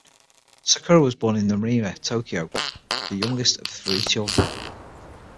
Sakura was born in Nerima, Tokyo, the youngest of three children.